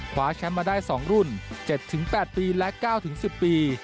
คว้าแชมป์มาได้๒รุ่น๗๘ปีและ๙๑๐ปี